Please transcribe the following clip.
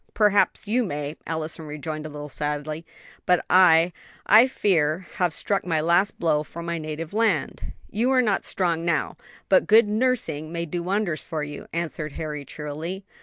"Perhaps you may," Allison rejoined a little sadly; "but I, I fear, have struck my last blow for my native land." "You are not strong now, but good nursing may do wonders for you," answered Harry cheerily.